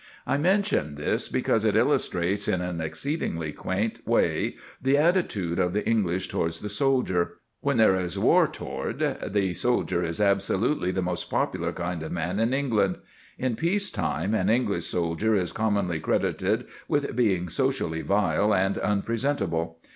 I mention this because it illustrates in an exceedingly quaint way the attitude of the English towards the soldier. When there is war toward, the soldier is absolutely the most popular kind of man in England. In peace time an English soldier is commonly credited with being socially vile and unpresentable.